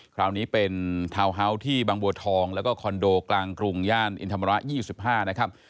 คราวนี้เป็นทาวน์เฮาส์ที่บางบัวทองแล้วก็คอนโดกลางกรุงย่านอินธรรมระ๒๕นะครับ